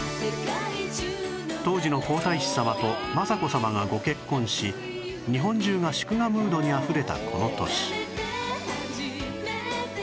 当時の皇太子さまと雅子さまがご結婚し日本中が祝賀ムードにあふれたこの年